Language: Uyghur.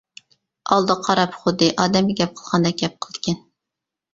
ئالدىغا قاراپ خۇددى ئادەمگە گەپ قىلغاندەك گەپ قىلىدىكەن.